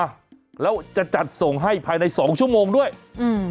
อ่ะแล้วจะจัดส่งให้ภายในสองชั่วโมงด้วยอืม